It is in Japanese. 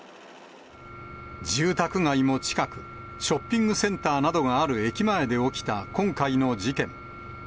住宅街も近く、ショッピングセンターなどがある駅前で起きた今回の事件。